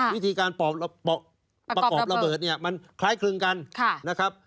วิธีการประกอบระเบิดเนี่ยมันคล้ายคลึงกันนะครับ